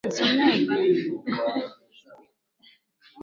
Chukchi Bahari ya Bering Bahari ya Ohotsk na